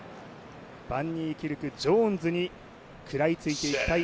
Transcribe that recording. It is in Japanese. バン・ニーキルクジョーンズに食らいついていきたい。